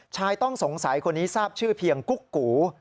ชายต้องสงสัยคนนี้ทราบชื่อเพียงกุ๊กกู